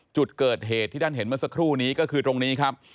จุดเกิดเหตุที่ท่านเห็นเมื่อสักครู่นี้ก็คือตรงนี้ครับ